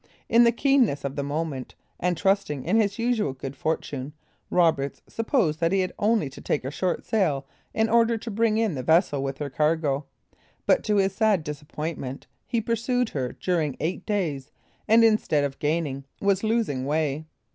In the keenness of the moment, and trusting in his usual good fortune, Roberts supposed that he had only to take a short sail in order to bring in the vessel with her cargo; but to his sad disappointment, he pursued her during eight days, and instead of gaining, was losing way.